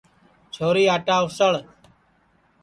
چھوری آٹا اُسݪ